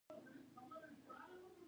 دا هم بايد په نظر کښې وساتلے شي